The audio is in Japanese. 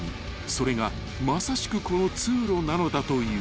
［それがまさしくこの通路なのだという］